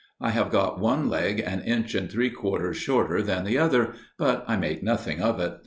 I have got one leg an inch and three quarters shorter than the other, but I make nothing of it.